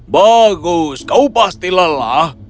bagus kau pasti lelah